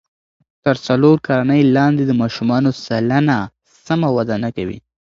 تر څلور کلنۍ لاندې د ماشومانو سلنه سمه وده نه کوي.